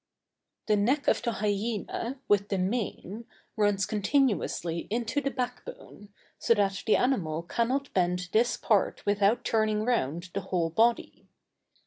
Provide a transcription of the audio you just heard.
The neck of the hyæna with the mane, runs continuously into the back bone, so that the animal cannot bend this part without turning round the whole body.